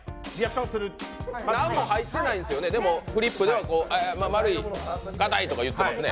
何も入ってないんですよね、でもフリップではあっ丸い、硬いとか言ってますね。